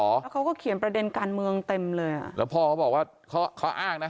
แล้วเขาก็เขียนประเด็นการเมืองเต็มเลยอ่ะแล้วพ่อเขาบอกว่าเขาเขาอ้างนะ